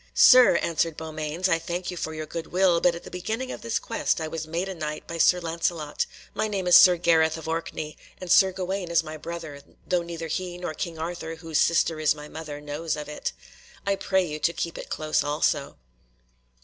"Sir," answered Beaumains, "I thank you for your goodwill, but at the beginning of this quest I was made a Knight by Sir Lancelot. My name is Sir Gareth of Orkney and Sir Gawaine is my brother, though neither he nor King Arthur, whose sister is my mother, knows of it. I pray you to keep it close also."